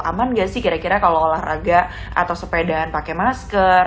aman gak sih kira kira kalau olahraga atau sepedaan pakai masker